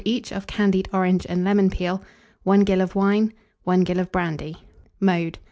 each of candied orange and lemon peel, 1 gill of wine, 1 gill of brandy. Mode.